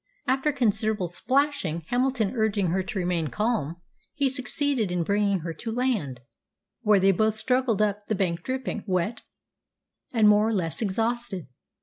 After considerable splashing Hamilton urging her to remain calm he succeeded in bringing her to land, where they both struggled up the bank dripping wet and more or less exhausted.